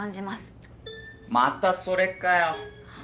またそれかよ。